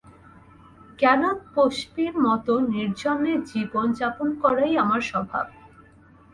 জ্ঞানতপস্বীর মত নির্জনে জীবন যাপন করাই আমার স্বভাব।